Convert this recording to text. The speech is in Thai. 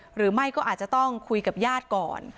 หรือไม่ก็อาจจะต้องคุยกับญาติก่อน